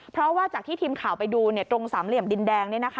เพราะว่าจากที่ทีมข่าวไปดูตรงสามเหลี่ยมดินแดง